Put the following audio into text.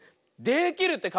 できるって！